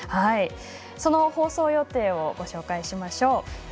その放送予定をご紹介しましょう。